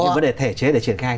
nhưng vấn đề thể chế để triển khai